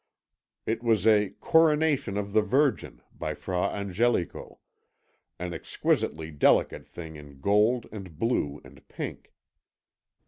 It was a Coronation of the Virgin by Fra Angelico, an exquisitely delicate thing in gold and blue and pink.